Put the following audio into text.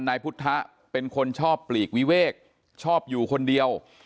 นายพุทธเป็นคนชอบปลีกวิเวกชอบอยู่คนเดียว